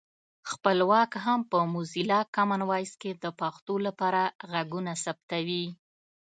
خپلواک هم په موزیلا کامن وایس کې د پښتو لپاره غږونه ثبتوي